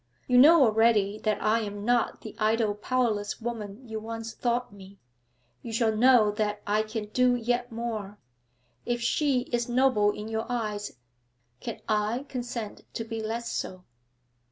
You know already that I am not the idle powerless woman you once thought me; you shall know that I can do yet more. If she is noble in your eyes, can I consent to be less so?'